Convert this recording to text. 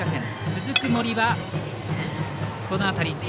続く森は、この当たり。